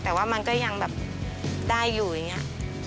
แต่ว่ามันก็ยังแบบได้อยู่อย่างนี้